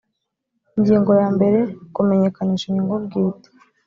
ingingo ya mbere kumenyekanisha inyungu bwite